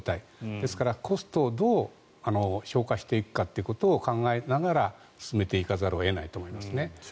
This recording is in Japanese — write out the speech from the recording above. ですから、コストをどう消化していくことを考えながら進めていかざるを得ないと思います。